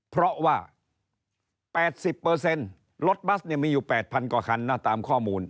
เพราะว่า๘๐รถบัสมีอยู่๘๐๐กว่าคันนะตามข้อมูล